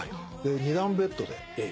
で２段ベッドで。